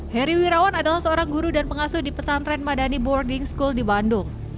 heri wirawan adalah seorang guru dan pengasuh di pesantren madani boarding school di bandung